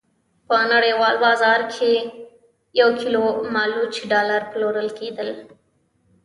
په نړیوال بازار کې یو کیلو مالوچ ډالر پلورل کېدل.